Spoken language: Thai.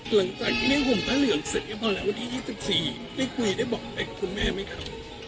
หลังจากที่ได้ห่วงพระเหลืองเสร็จก็พอแล้ววันนี้จิตศิษย์ได้คุยได้บอกอะไรกับคุณแม่ไหมครับ